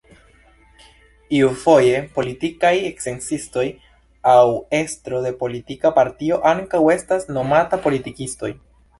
Iufoje politikaj sciencistoj aŭ estro de politika partio ankaŭ estas nomata politikistoj.